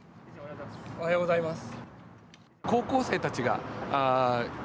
おはようございます。